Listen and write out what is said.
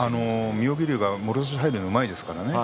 妙義龍は入るのがうまいですからね。